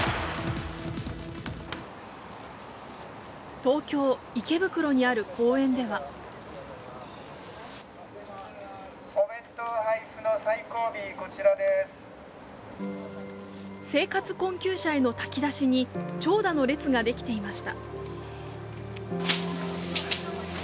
東京・池袋にある公園では生活困窮者への炊き出しに長蛇の列ができていました。